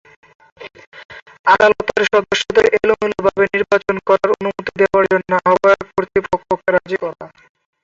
আদালতের সদস্যদের এলোমেলোভাবে নির্বাচন করার অনুমতি দেওয়ার জন্য আহ্বায়ক কর্তৃপক্ষকে রাজি করা।